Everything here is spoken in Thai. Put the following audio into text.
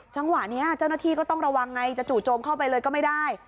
จังหวะนี้เจ้าหน้าที่ก็ต้องระวังไงจะจู่โจมเข้าไปเลยก็ไม่ได้